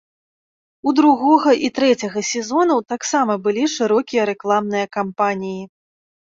У другога і трэцяга сезонаў таксама былі шырокія рэкламныя кампаніі.